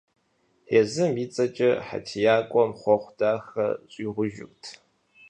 Езым и цӀэкӀэ хьэтиякӀуэм хъуэхъу дахэ щӀигъужырт.